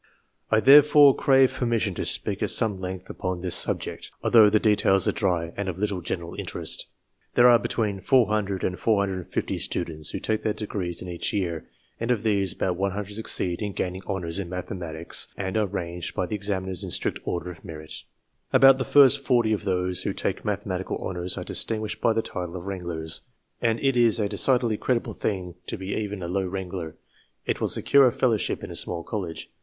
I therefore crave permission to speak at some length upon this subject, although the details are dry and of little general interest. There are between 400 and 450 students who take their degrees in each year, and of these, about 100 succeed in gaining honours in mathematics, and are ranged by the examiners in strict order of merit. O J About the first forty of those who take mathematical honours are distinguished by the title of wranglers, and it is a decidedly creditable thing to be even a low wrangler ; it will secure a fellowship in a small college.